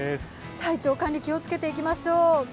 体調管理、気をつけていきましょう。